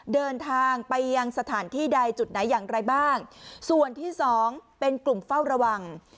เดินทางไปยังสถานที่ใดจุดไหนอย่างไรบ้างส่วนที่สองเป็นกลุ่มเฝ้าระวัง